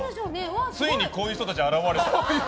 ついにこういう人たちが現れた。